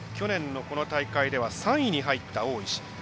去年の大会では３位に入った大石。